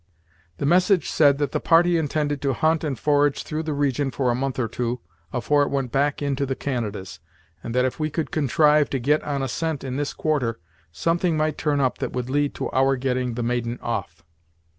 The message said that the party intended to hunt and forage through this region for a month or two, afore it went back into the Canadas, and that if we could contrive to get on a scent in this quarter, something might turn up that would lead to our getting the maiden off."